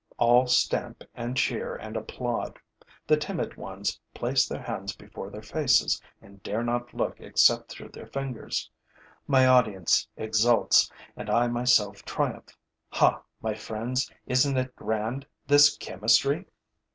All stamp and cheer and applaud. The timid ones place their hands before their faces and dare not look except through their fingers. My audience exults; and I myself triumph. Ha, my friends, isn't it grand, this chemistry!